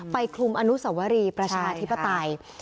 ไปคลุมอนุสวรีประชาธิปไตยค่ะใช่ค่ะ